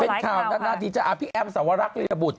เป็นรายข่าวนั้นนาธิจากพี่แอมสวรรคลียรบุษ